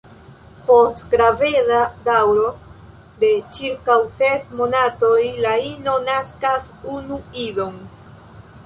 Post graveda daŭro de ĉirkaŭ ses monatoj la ino naskas unu idon.